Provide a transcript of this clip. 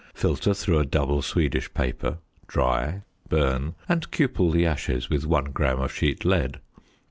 Filter through a double Swedish paper, dry, burn, and cupel the ashes with one gram of sheet lead.